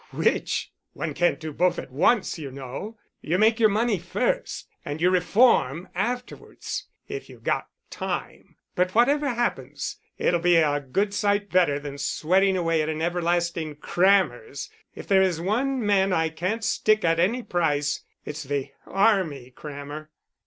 "Which? One can't do both at once, you know. You make your money first, and you reform afterwards, if you've got time. But whatever happens, it'll be a good sight better than sweating away at an everlasting crammer's. If there is one man I can't stick at any price it's the army crammer."